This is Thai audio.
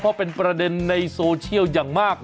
เพราะเป็นประเด็นในโซเชียลอย่างมาก